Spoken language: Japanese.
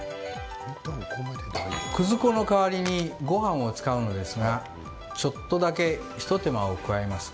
くず粉の代わりにごはんを使うのですがちょっとだけ、一手間を加えます。